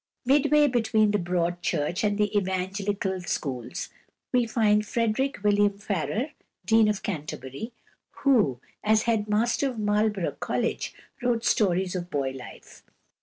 Midway between the Broad Church and the Evangelical schools we find =Frederick William Farrar (1831 )=, Dean of Canterbury, who, as head master of Marlborough College, wrote stories of boy life.